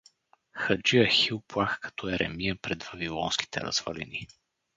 Хаджи Ахил плака като Еремия пред вавилонските развалини.